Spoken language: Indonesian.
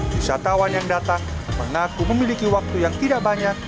wisatawan yang datang mengaku memiliki waktu yang tidak banyak